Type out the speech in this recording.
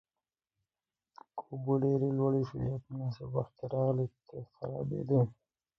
که اوبه ډېره لوړې شوې یا په نامناسب وخت کې راغلې، کښت خرابېده.